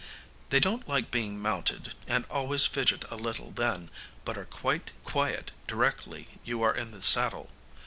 They don't like being mounted, and always fidget a little then, but are quite quiet directly you are in the saddle.